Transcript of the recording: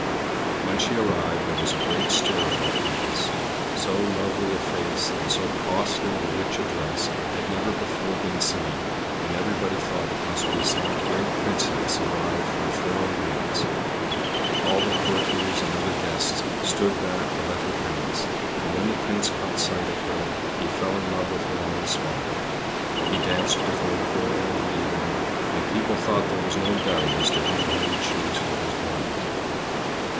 When she arrived there was a great stir in the Palace. So lovely a face and so costly and rich a dress had never before been seen, and everybody thought it must be some great Princess arrived from foreign lands. All the courtiers and other guests stood back to let her pass, and when the Prince caught sight of her he fell in love with her on the spot. He danced with her the whole of the evening, and people thought there was no doubt as to whom he would choose for his bride.